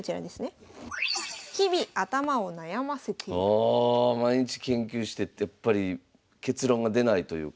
ああ毎日研究しててやっぱり結論が出ないというか。